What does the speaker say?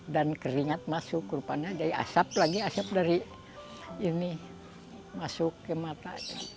dan keringat masuk ke rupanya jadi asap lagi asap dari ini masuk ke mata